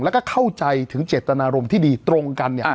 แล้วก็เข้าใจถึงเจตนารมณ์ที่ดีตรงกัน